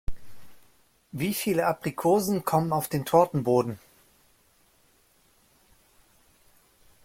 Wie viele Aprikosen kommen auf den Tortenboden?